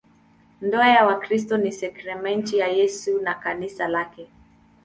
Ndoa ya Wakristo ni sakramenti ya Yesu na Kanisa lake.